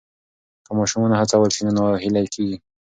که ماشوم ونه هڅول سي نو ناهیلی کېږي.